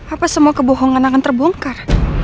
apa semua kebohongan akan terbongkar